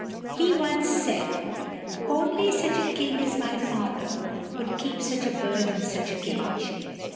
He once said: "Only such a king as my father would keep such a bird in such a cage."